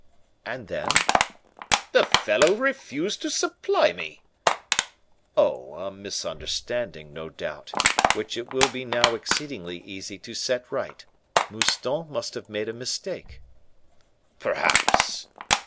"And then?" "The fellow refused to supply me." "Oh, a misunderstanding, no doubt, which it will be now exceedingly easy to set right. Mouston must have made a mistake." "Perhaps."